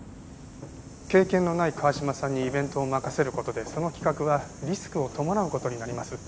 経験のない川嶋さんにイベントを任せる事でその企画はリスクを伴う事になります。